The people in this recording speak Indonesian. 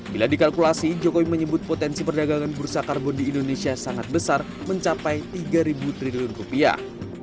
bila dikalkulasi jokowi menyebut potensi perdagangan bursa karbon di indonesia sangat besar mencapai tiga triliun rupiah